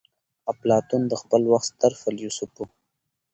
اپلاتون د خپل وخت ستر فيلسوف وو.